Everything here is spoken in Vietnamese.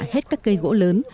hết các cây gỗ lớn